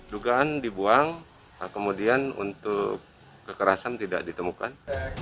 dugaan dibuang kemudian untuk kekerasan tidak ditemukan